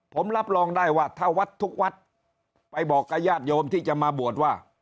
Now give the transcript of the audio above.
ผมรับรองได้ว่าถ้าวัดทุกวัดไปบอกกับญาติโยมที่จะมาบวชว่า